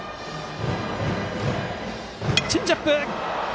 チェンジアップ！